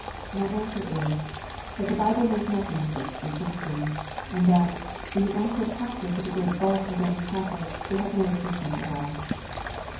My answer is, that the Bible knows nothing of such distinctions ; and that, in the actual practice of the great bulk of Roman Catholics, they have no existence at all.